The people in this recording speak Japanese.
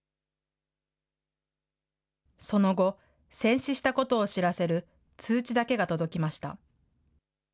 その後、戦死したことを知らせる通知だけが届きました。